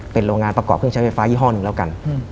เป็นโรงงานประกอบเครื่องใช้ไฟฟ้ายี่ห้อหนึ่งแล้วกัน